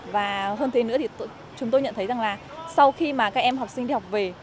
và hơn thế nữa thì chúng tôi nhận thấy rằng là sau khi mà các em học sinh đi học về